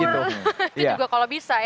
itu juga kalau bisa ya